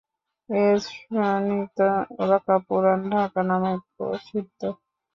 এর সন্নিহিত এলাকা পুরান ঢাকা নামে প্রসিদ্ধ।